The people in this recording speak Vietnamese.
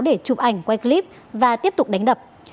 để chụp ảnh quay clip và tiếp tục đánh đập